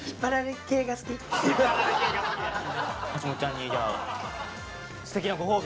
はしもっちゃんにじゃあすてきなご褒美